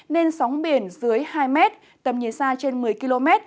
nên sóng biển dưới hai mét tầm nhìn xa trên một mươi km